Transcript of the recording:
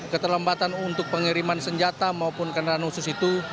keterlambatan untuk pengiriman senjata maupun kendaraan khusus itu